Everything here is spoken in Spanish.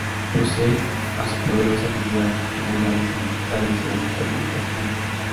Pese a su poderosa figura tenían graves dificultades durante tormentas marítimas.